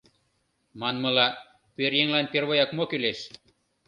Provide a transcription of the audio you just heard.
Манмыла, пӧръеҥлан первояк мо кӱлеш?